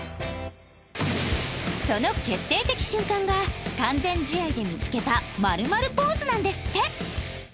その決定的瞬間が完全試合で見つけたマルマルポーズなんですって